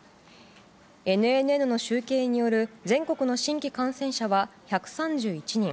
ＮＮＮの集計による全国の新規感染者は１３１人。